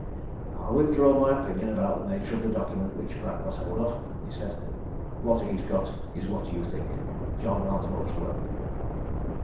"I'll withdraw my opinion about the nature of the document which Pratt got hold of," he said. "What he's got is what you think John Mallathorpe's will!"